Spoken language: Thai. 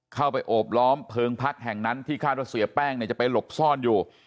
โอบล้อมเพลิงพักแห่งนั้นที่คาดว่าเสียแป้งเนี่ยจะไปหลบซ่อนอยู่